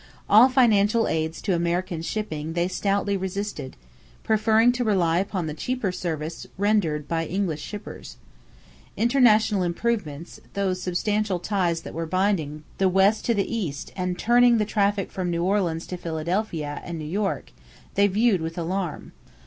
All financial aids to American shipping they stoutly resisted, preferring to rely upon the cheaper service rendered by English shippers. Internal improvements, those substantial ties that were binding the West to the East and turning the traffic from New Orleans to Philadelphia and New York, they viewed with alarm.